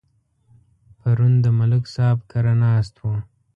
پرون د ملک صاحب کره ناست وو.